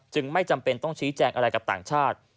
ไม่จำเป็นต้องชี้แจงอะไรกับต่างชาติ